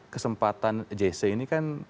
kesempatan jc ini kan